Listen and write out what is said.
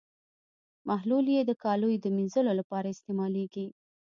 محلول یې د کالیو د مینځلو لپاره استعمالیږي.